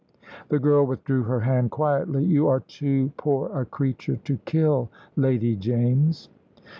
The girl withdrew her hand quietly. "You are too poor a creature to kill, Lady James."